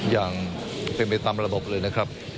อย่างเป็นไปตามระบบเลยนะครับ